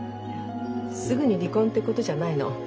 すぐに離婚ってことじゃないの。